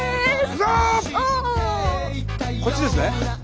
こっちですね？